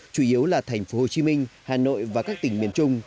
chủ yếu là thành phố hồ chí minh hà nội và các tỉnh miền trung